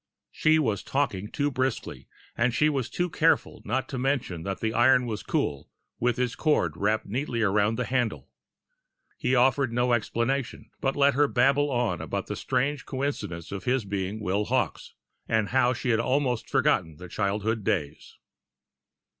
She was talking too briskly, and she was too careful not to mention that the iron was cool, with its cord wrapped neatly around the handle. He offered no explanation, but let her babble on about the strange coincidence of his being the Will Hawkes, and how she'd almost forgotten the childhood days.